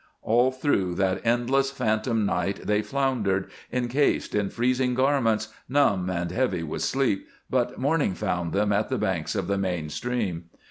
All through that endless phantom night they floundered, incased in freezing garments, numb and heavy with sleep, but morning found them at the banks of the main stream.